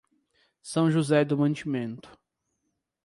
São José do Mantimento